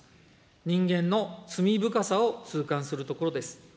人間の罪深さを痛感するところです。